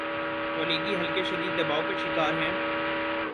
تولیگی حلقے شدید دباؤ کا شکارہیں۔